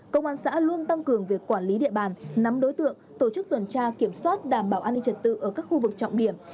công an xã luôn tăng cường việc quản lý địa bàn nắm đối tượng tổ chức tuần tra kiểm soát đảm bảo an ninh trật tự ở các khu vực trọng điểm